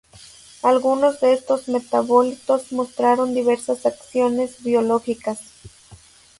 Algunos de estos metabolitos mostraron diversas acciones biológicas.